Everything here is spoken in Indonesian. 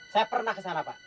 saya pernah kesana pak